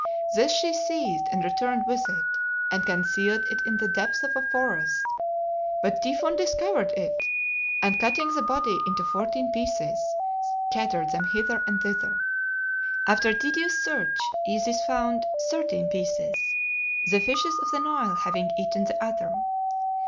This she seized and returned with it, and concealed it in the depth of a forest, but Typhon discovered it, and cutting the body into fourteen pieces scattered them hither and thither. After a tedious search, Isis found thirteen pieces, the fishes of the Nile having eaten the other.